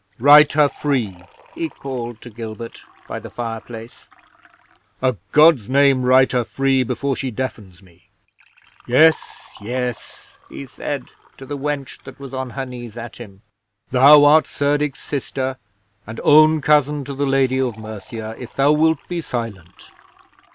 "Write her free," he called to Gilbert by the fireplace. "A' God's name write her free, before she deafens me! Yes, yes," he said to the wench that was on her knees at him; "thou art Cerdic's sister, and own cousin to the Lady of Mercia, if thou wilt be silent.